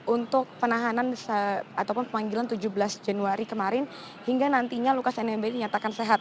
untuk penahanan ataupun pemanggilan tujuh belas januari kemarin hingga nantinya lukas nmb dinyatakan sehat